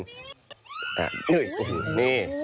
พะโฮนี่